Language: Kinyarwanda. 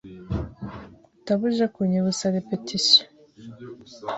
Utaba uje kunyibutsa repetisiyo